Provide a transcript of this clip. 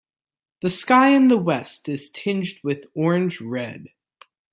The sky in the west is tinged with orange red.